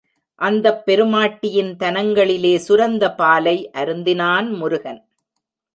அந்தப் பெருமாட்டியின் தனங்களிலே சுரந்த பாலை அருந்தினான் முருகன்.